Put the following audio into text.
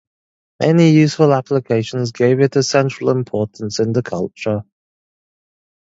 Many useful applications gave it a central importance in the culture.